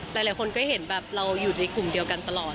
หลายคนก็เห็นแบบเราอยู่ในกลุ่มเดียวกันตลอด